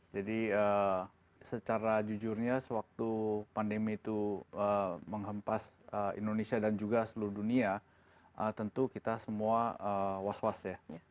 jadi secara jujurnya sewaktu pandemi itu menghempas indonesia dan juga seluruh dunia tentu kita semua was was ya